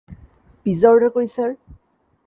Pizza order করি, sir?